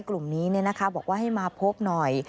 กลุ่มนี้บอกว่าให้มาพบหน่อย